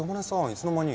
いつの間に。